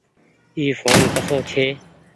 اي ڦون ڪسو ڇي۔